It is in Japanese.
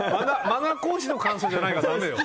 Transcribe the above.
マナー講師の感想じゃないからだめよ。